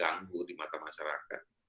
yang terganggu di mata masyarakat